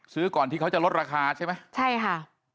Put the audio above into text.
ซื้อก่อนที่เขาจะลดราคาใช่ไหมใช่ค่ะ